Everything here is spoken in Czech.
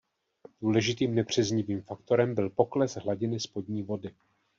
Důležitým nepříznivým faktorem byl pokles hladiny spodní vody.